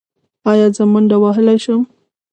ایا زه منډه وهلی شم؟